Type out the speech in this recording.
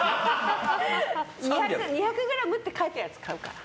２００ｇって書いてあるやつ買うから。